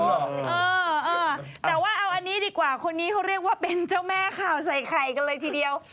เออแต่ว่าเอาอันนี้ดีกว่าคนนี้เขาเรียกว่าเป็นเจ้าแม่ข่าวใส่ไข่กันเลยทีเดียว